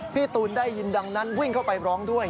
พี่ตูนได้ยินดังนั้นวิ่งเข้าไปร้องด้วย